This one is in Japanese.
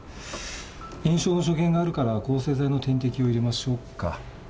炎症の所見があるから抗生剤の点滴を入れましょうか。